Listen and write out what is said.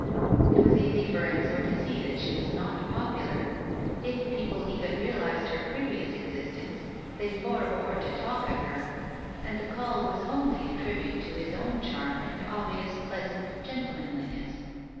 It was easy for Ensor to see that she was not popular. If people even realized her previous exist ence, they forbore to t^lk of her, and the call was only a tribute to his own charm and obvious pleasant gentle manliness.